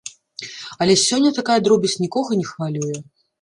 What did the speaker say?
Але сёння такая дробязь нікога не хвалюе.